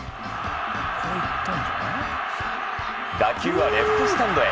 打球はレフトスタンドへ。